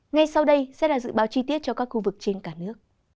ngay sau đây sẽ là dự báo chi tiết cho các khu vực trên cả nước